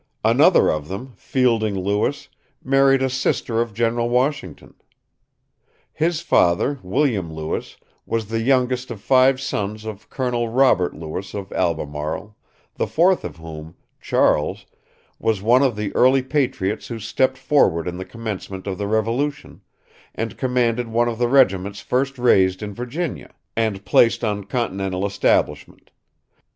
Another of them, Fielding Lewis, married a sister of General Washington. His father, William Lewis, was the youngest of five sons of Colonel Robert Lewis of Albemarle, the fourth of whom, Charles, was one of the early patriots who stepped forward in the commencement of the Revolution, and commanded one of the regiments first raised in Virginia, and placed on continental establishment....